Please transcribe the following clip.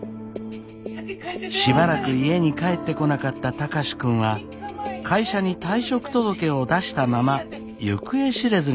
しばらく家に帰ってこなかった貴司君は会社に退職届を出したまま行方知れずになっていたのです。